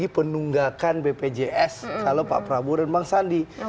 penunggakan bpjs kalau pak prabowo dan bang sandi